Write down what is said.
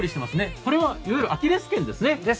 これはいわゆるアキレス腱ですね。